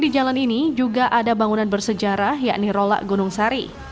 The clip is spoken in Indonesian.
di jalan ini juga ada bangunan bersejarah yakni rolak gunung sari